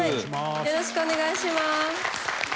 よろしくお願いします。